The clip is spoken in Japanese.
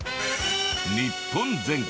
日本全国